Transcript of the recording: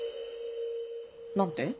何て？